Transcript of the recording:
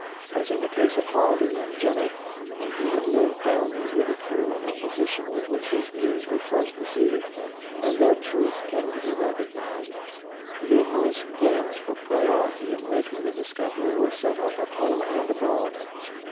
As in the case of Harvey and Jenner, when he had lived down the ridi cule and opposition with which his views were first received, and their truth came to be recognized, nu merous claims for priority in making the discovery were set up at home and abroad.